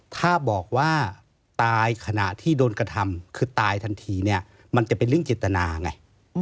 ถ้าบอกว่าตายขณะที่โดนกระทำคือตายทันทีเนี่ยมันจะเป็นเรื่องเจตนาไง